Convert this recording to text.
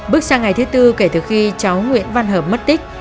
bước sang ngày thứ tư kể từ khi cháu nguyễn văn hợp mất tích